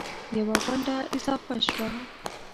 یوه غونډله اضافه شوه